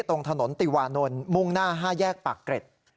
ตรงถนนติวานนท์มุ่งหน้า๕แยกปากเกร็ด